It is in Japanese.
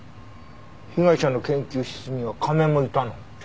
被害者の研究室には亀もいたの？